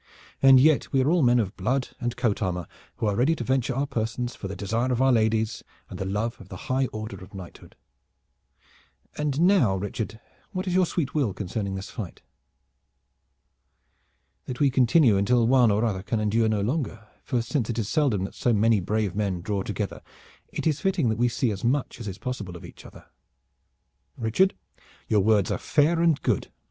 And yet we are all men of blood and coat armor, who are ready to venture our persons for the desire of our ladies and the love of the high order of knighthood. And now, Richard, what is your sweet will concerning this fight?" "That we continue until one or other can endure no longer, for since it is seldom that so many brave men draw together it is fitting that we see as much as is possible of each other." "Richard, your words are fair and good.